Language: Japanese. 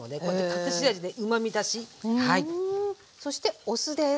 そしてお酢です。